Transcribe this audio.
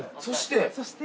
そして？